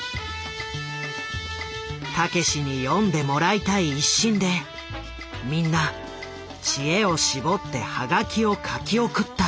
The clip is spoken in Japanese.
たけしに読んでもらいたい一心でみんな知恵を絞ってハガキを書き送った。